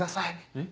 えっ？